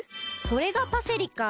これがパセリか。